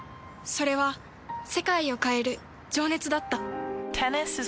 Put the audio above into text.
それは世界を変える情熱だった。